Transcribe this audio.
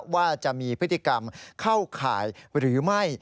ว่าจะมีพฤติกรรมเข้าข่ายหรือไม่